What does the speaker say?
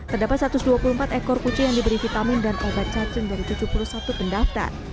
terdapat satu ratus dua puluh empat ekor kucing yang diberi vitamin dan obat cacing dari tujuh puluh satu pendaftar